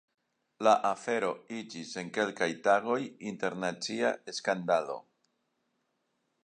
La afero iĝis en kelkaj tagoj internacia skandalo.